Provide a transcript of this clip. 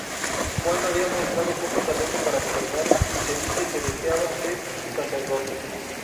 Juan había mostrado poco talento para gobernar y se dice que deseaba ser sacerdote.